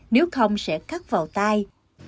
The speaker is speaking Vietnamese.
nếu không sẽ cắt vào tay